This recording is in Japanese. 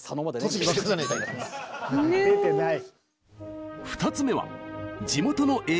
出てない。